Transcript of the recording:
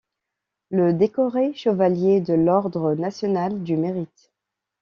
Le décorée Chevalier de l'ordre national du mérite.